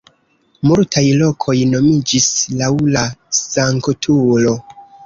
Multaj lokoj nomiĝis laŭ la sanktulo.